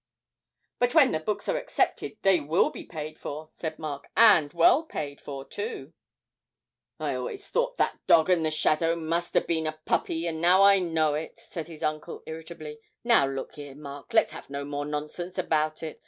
'But when the books are accepted, they will be paid for,' said Mark, 'and well paid for too.' 'I always thought that dog and the shadow must ha' been a puppy, and now I know it,' said his uncle, irritably. 'Now look here, Mark, let's have no more nonsense about it.